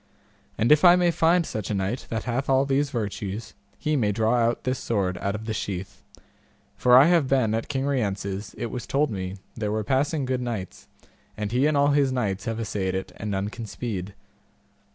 And if I may find such a knight that hath all these virtues, he may draw out this sword out of the sheath, for I have been at King Rience's it was told me there were passing good knights, and he and all his knights have assayed it and none can speed.